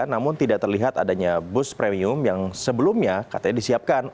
namun tidak terlihat adanya bus premium yang sebelumnya katanya disiapkan